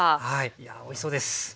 いやおいしそうです。